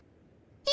え？